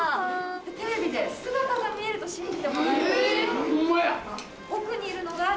テレビで姿が見えると信じてもらえるでしょうか。